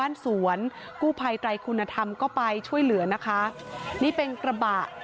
นี่เป็นกระบะ